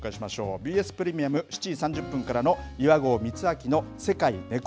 ＢＳプレミアム７時３０分からの岩合光昭の世界ネコ